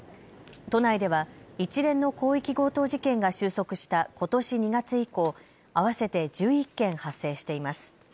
都内では一連の広域強盗事件が収束したことし２月以降、合わせて１１件発生しています。